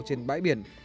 trên bãi biển